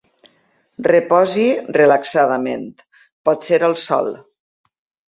Reposi relaxadament, potser al sol.